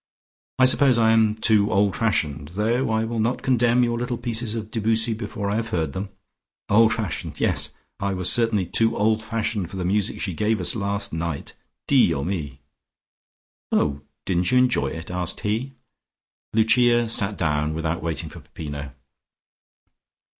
"I suppose I am too old fashioned, though I will not condemn your little pieces of Debussy before I have heard them. Old fashioned! Yes! I was certainly too old fashioned for the music she gave us last night. Dio mi!" "Oh, didn't you enjoy it?" asked he. Lucia sat down, without waiting for Peppino.